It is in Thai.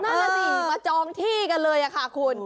นั่นน่ะสิมาจองที่กันเลยค่ะคุณ